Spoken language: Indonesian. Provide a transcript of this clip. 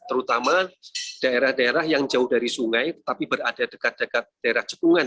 terutama daerah daerah yang jauh dari sungai tapi berada dekat dekat daerah cekungan